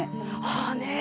「ああねえ」